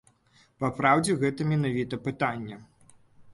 Папраўдзе, гэта менавіта пытанне.